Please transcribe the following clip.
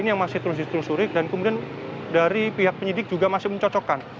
ini yang masih terus ditelusuri dan kemudian dari pihak penyidik juga masih mencocokkan